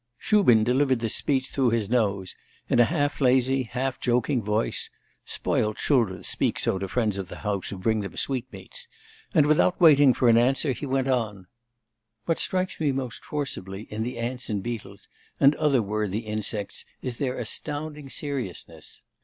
Shubin delivered this speech through his nose in a half lazy, half joking voice (spoilt children speak so to friends of the house who bring them sweetmeats), and without waiting for an answer he went on: 'What strikes me most forcibly in the ants and beetles and other worthy insects is their astounding seriousness.